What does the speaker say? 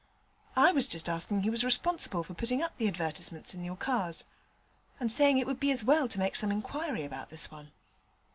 'I was just asking who was responsible for putting the advertisements up in your cars, and saying it would be as well to make some inquiry about this one.'